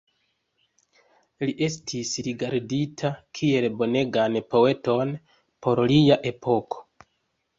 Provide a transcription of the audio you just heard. Li estis rigardita kiel bonegan poeton por lia epoko.